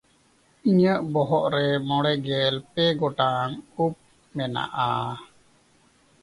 ᱤᱧᱟᱜ ᱵᱚᱦᱚᱜ ᱨᱮ ᱢᱚᱬᱮᱜᱮᱞ ᱯᱮ ᱜᱚᱴᱟᱝ ᱩᱵ ᱢᱮᱱᱟᱜᱼᱟ᱾